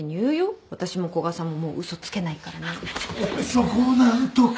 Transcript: そこを何とか。